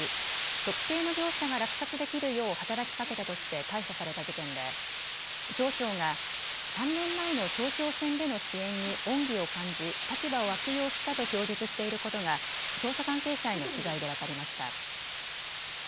特定の業者が落札できるよう働きかけたとして逮捕された事件で町長が３年前の町長選での支援に恩義を感じ、立場を悪用したと供述していることが捜査関係者への取材で分かりました。